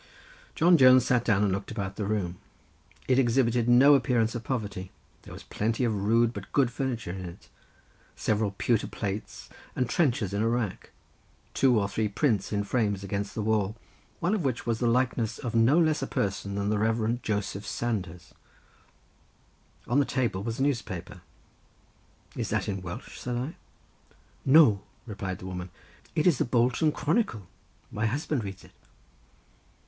John Jones sat down, and I looked about the room. It exhibited no appearance of poverty; there was plenty of rude but good furniture in it; several pewter plates and trenchers in a rack, two or three prints in frames against the wall, one of which was the likeness of no less a person than the Rev. Joseph Sanders; on the table was a newspaper. "Is that in Welsh?" said I. "No," replied the woman, "it is the Bolton Chronicle; my husband reads it."